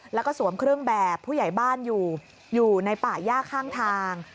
แล้วก็สวมเครื่องแบบผู้ใหญ่บ้านอยู่อยู่ในป่าย่าข้างทาง